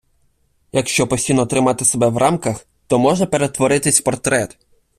Якщо постійно тримати себе в рамках, то можна перетворитись в портрет!